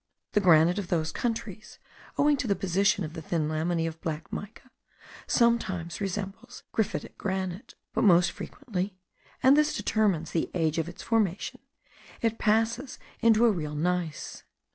The granite of those countries, owing to the position of the thin laminae of black mica, sometimes resembles graphic granite; but most frequently (and this determines the age of its formation) it passes into a real gneiss.